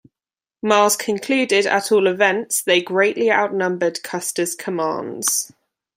Miles concluded, At all events, they greatly outnumbered Custer's command.